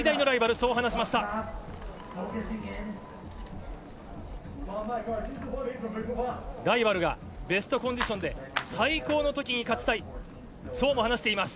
ライバルがベストコンディションで最高のときに勝ちたい。